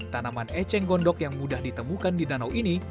tanaman eceng gondok yang mudah ditemukan di danau ini